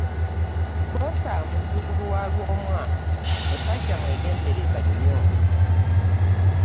Bbosa muzzukulu wa Lwomwa musajja mwegendereza nnyo.